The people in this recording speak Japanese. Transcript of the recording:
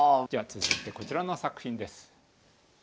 続いてこちらの作品です。